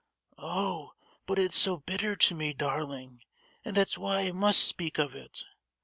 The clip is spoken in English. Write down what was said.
"Oh, but it's so bitter to me, darling; and that's why I must speak of it.